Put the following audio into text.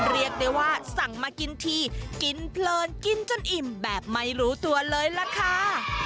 เรียกได้ว่าสั่งมากินทีกินเพลินกินจนอิ่มแบบไม่รู้ตัวเลยล่ะค่ะ